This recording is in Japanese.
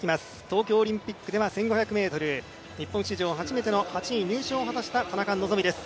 東京オリンピックでは１５００ｍ日本史上初めての８位入賞を果たした田中希実です。